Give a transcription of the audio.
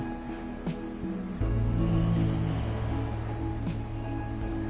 うん。